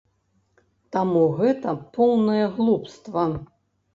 Таму гэта поўнае глупства.